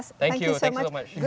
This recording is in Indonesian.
semoga beruntung menerima mereka